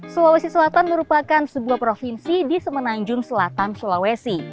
sulawesi selatan merupakan sebuah provinsi di semenanjung selatan sulawesi